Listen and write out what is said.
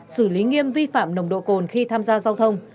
xử lý nghiêm vi phạm nồng độ cồn khi tham gia giao thông